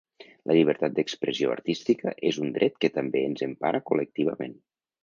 La llibertat d’expressió artística és un dret que també ens empara col·lectivament.